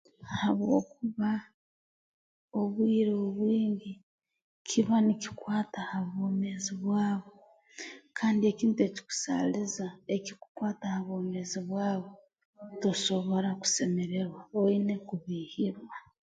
Habwokuba obwire obwingi kiba nikikwata ha bwomeezi bwawe kandi ekintu ekikusaaliza ekikukwata ha bwomeezi bwawe tosobora kusemererwa oine kubiihirwa